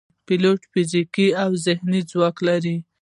پیلوټ فزیکي او ذهني ځواک لري.